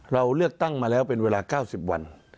เราเลือกตั้งมาแล้วเป็นเวลา๙๐วัน